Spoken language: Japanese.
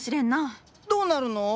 どうなるの？